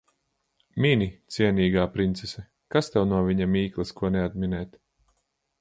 Mini, cienīgā princese. Kas tev no viņa mīklas ko neatminēt.